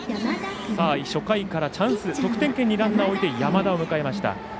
初回からチャンス得点圏にランナーを置いて山田を迎えました。